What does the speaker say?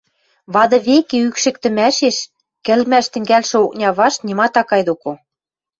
вады векӹ ӱкшӹктӹмӓшеш кӹлмӓш тӹнгӓлшӹ окня вашт нимат ак кай доко.